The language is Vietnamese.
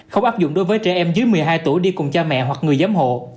không áp dụng đối với trẻ em dưới một mươi hai tuổi đi cùng cha mẹ hoặc người giám hộ